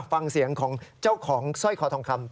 ฟังเสียงของเจ้าของสร้อยคอทองคำ